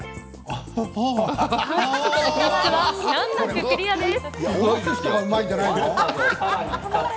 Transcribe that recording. ３つは難なくクリアです！